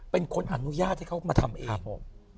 เป็นคนอนุญาตให้เขามาทำเอง